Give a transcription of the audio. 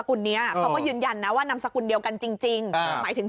ก็เรียกร้องให้ตำรวจดำเนอคดีให้ถึงที่สุดนะ